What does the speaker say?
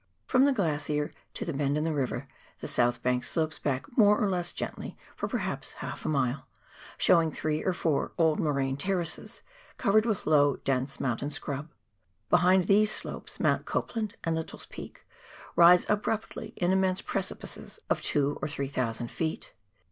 From the glacier to near the bend in the river, the southern bank slopes back more or less gently for perhaps half a mile, showing three or four old moraine terraces, covered with low, dense mountain scrub. Behind these slopes, Mount Copland and Lyttle's Peak rise abruptly in immense precipices of two or three thousand feet.